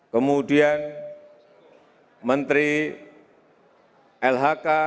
kemudian menteri lhk